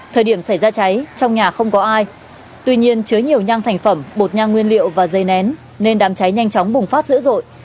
thời điểm xảy ra cháy trong nhà không có ai tuy nhiên chứa nhiều nhang thành phẩm bột nhang nguyên liệu và dây nén nên đám cháy nhanh chóng bùng phát dữ dội